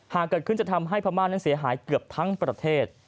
หากเกิดขึ้นจะทำให้พม่านั้นเสียหายเกือบทั้งประเทศ